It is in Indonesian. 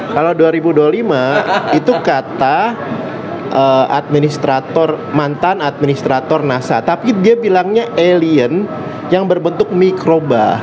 kalau dua ribu dua puluh lima itu kata administrator mantan administrator nasa tapi dia bilangnya alien yang berbentuk mikroba